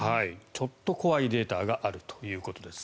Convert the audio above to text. ちょっと怖いデータがあるということです。